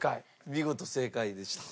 見事正解でした。